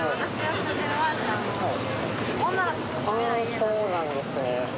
そうなんですね